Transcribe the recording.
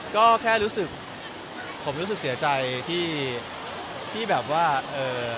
ก็แค่รู้สึกผมรู้สึกเสียใจที่ที่แบบว่าเอ่อ